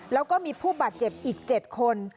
แล้วก็มีผู้บาดเจ็บอีก๗คน